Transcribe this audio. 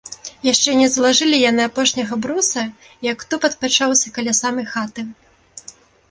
Яшчэ не залажылі яны апошняга бруса, як тупат пачуўся каля самай хаты.